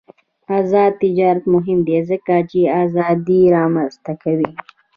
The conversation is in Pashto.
آزاد تجارت مهم دی ځکه چې ازادي رامنځته کوي.